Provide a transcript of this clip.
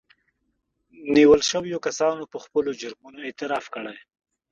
نيول شويو کسانو په خپلو جرمونو اعتراف کړی